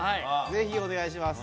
ぜひお願いします。